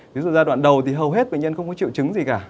ví dụ giai đoạn đầu thì hầu hết bệnh nhân không có triệu chứng gì cả